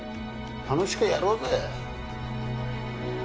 楽しくやろうぜ。